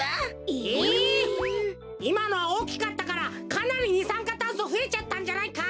いまのはおおきかったからかなりにさんかたんそふえちゃったんじゃないか？